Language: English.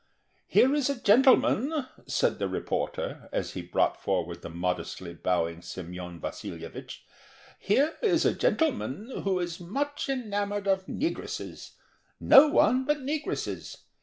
"Here is a gentleman," said the reporter, as he brought forward the modestly bowing Semyon Vasilyevich, "here is a gentleman who is much enamoured of negresses; no one but negresses.